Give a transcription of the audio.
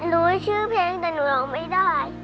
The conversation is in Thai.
รู้ชื่อเพลงแต่หนูออกไม่ได้